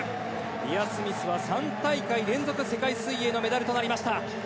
リア・スミスは３大会連続世界水泳のメダルとなりました。